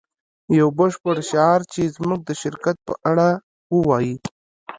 یو بشپړ شعار چې زموږ د شرکت په اړه ووایی